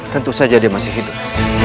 tentu saja dia masih hidup